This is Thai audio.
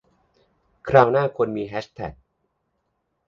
คราวหน้าควรมีแฮชแท็ก